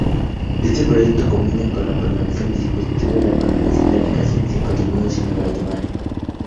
Este proyecto combina la programación de dispositivos, la programación de aplicaciones y contenido cinematográfico.